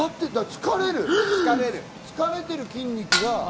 疲れてる、筋肉が。